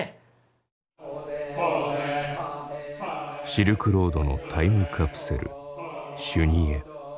シルクロードのタイムカプセル修二会。